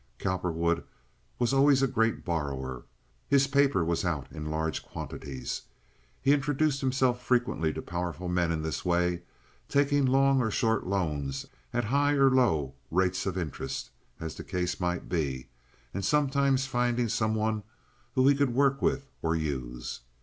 Cowperwood was always a great borrower. His paper was out in large quantities. He introduced himself frequently to powerful men in this way, taking long or short loans at high or low rates of interest, as the case might be, and sometimes finding some one whom he could work with or use.